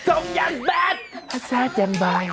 ทรงอย่างแบบแซ่ดอย่างบ่อย